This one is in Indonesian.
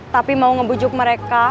tapi mau ngebujuk mereka